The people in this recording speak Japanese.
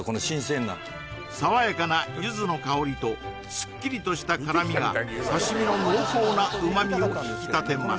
爽やかな柚子の香りとすっきりとした辛みが刺身の濃厚な旨みを引き立てます